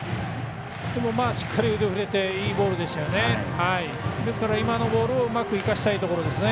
しっかり腕を振れていいボールでしたよね。